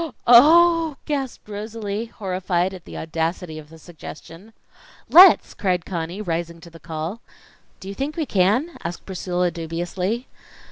"Oh!" gasped Rosalie, horrified at the audacity of the suggestion. "Let's!" cried Conny, rising to the call. "Do you think we can?" asked Priscilla, dubiously.